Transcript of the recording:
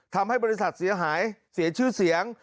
ทำให้บริษัทเสียหายเสียชื่อเสียง